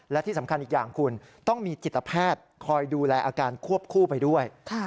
และที่สำคัญอีกอย่างคุณต้องมีจิตแพทย์คอยดูแลอาการควบคู่ไปด้วย